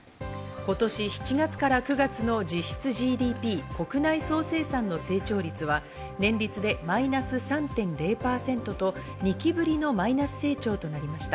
今年７月から９月の実質ＧＤＰ＝国内総生産の成長率は年率でマイナス３．０％と２期ぶりのマイナス成長となりました。